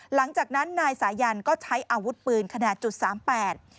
หลังจากนั้นนายสายันก็ใช้อาวุธปืนขนาดจุดสามแปด